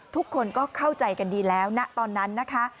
ทุกคนก็เข้าใจกันดีแล้วนะตอนนั้นนะคะ